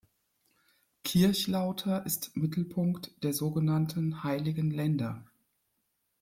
Kirchlauter ist Mittelpunkt der sogenannten Heiligen Länder.